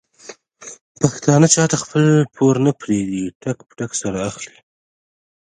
پښتانه چاته خپل پور نه پرېږدي ټک په ټک سره اخلي.